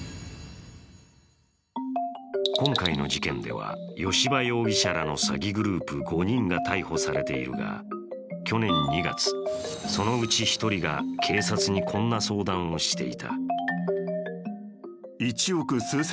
今回の事件では吉羽容疑者らの詐欺グループ５人が逮捕されているが、去年２月、そのうち１人が警察にこんな相談をしていた。